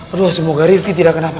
aduh semoga rifki tidak kenapa